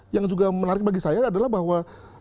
yang juga menarik bagi saya adalah bahwa